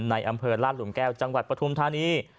ในอำเภอลาดหลุมแก้วจังหวัดปฐุมธานี